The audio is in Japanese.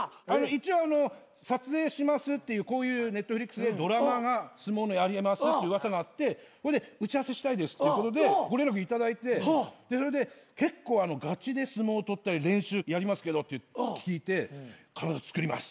一応撮影しますっていうＮｅｔｆｌｉｘでドラマが相撲のやりますっていう噂があって打ち合わせしたいですっていうことでご連絡頂いてそれで結構ガチで相撲取ったり練習やりますけどって聞いて体つくります。